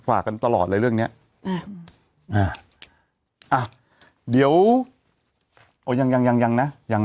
ฝากกันตลอดเลยเรื่องเนี้ยอืมอ่าเดี๋ยวโอ้ยังยังนะยัง